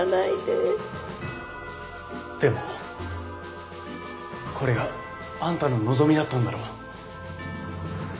でもこれがあんたの望みだったんだろ。